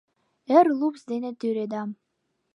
Эр лупс дене тӱредам.